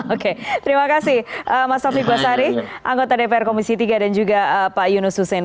oke terima kasih mas taufik basari anggota dpr komisi tiga dan juga pak yunus hussein